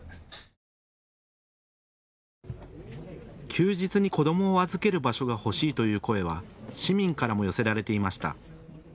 休日に子どもを預ける場所が欲しいという声は市民からも寄せられていました。